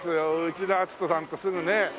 内田篤人さんとすぐねえ。